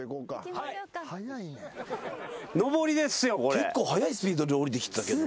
結構速いスピードでおりてきてたけど。